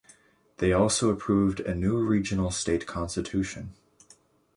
They also approved a new regional state constitution.